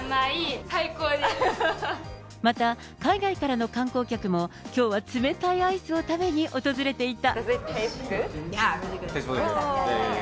また、海外からの観光客もきょうは冷たいアイスを食べに訪れていた。